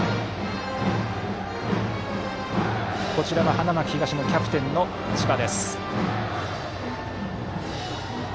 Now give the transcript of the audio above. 花巻東のキャプテンの千葉。